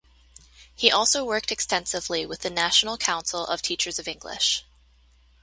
He also worked extensively with the National Council of Teachers of English.